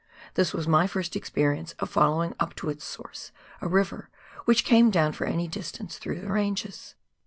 This was my first experience of following up to its source a river which came down for any distance through the ranges.